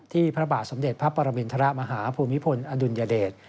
พระบาทสมเด็จพระปรมินทรมาฮาภูมิพลอดุลยเดช